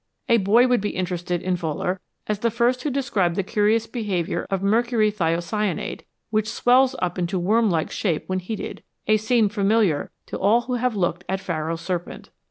A boy would be interested in Wohler as the first who described the curious behaviour of mercury thiocyanate, which swells up into a worm like shape when heated a scene familiar to all who have looked at "Pharaoh's Serpent.